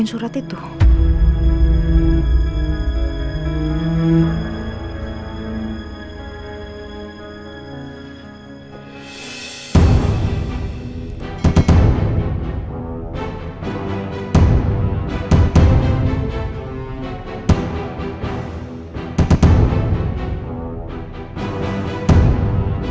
kalo papa udah sampe rumah